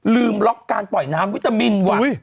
ลืมล็อกการปล่อยน้ำวิตามินว่ะ